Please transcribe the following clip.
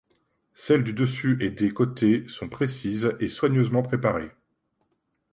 Celles du dessus et des côtés sont précises et soigneusement préparées.